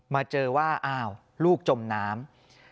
มาเจอว่าอ้าวลูกจมน้ำ